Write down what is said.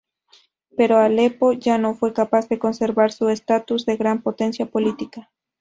Pero Alepo ya no fue capaz de conservar su estatus de gran potencia política.